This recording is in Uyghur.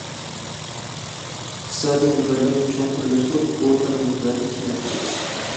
ئىقتىسادىي ھەمكارلىقنى چوڭقۇرلاشتۇرۇپ، ئورتاق مەنپەئەتنى كېڭەيتىشىمىز.